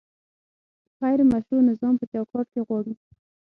غیر مشروع نظام په چوکاټ کې غواړي؟